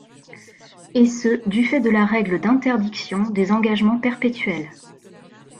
Et ce du fait de la règle d'interdiction des engagements perpétuels.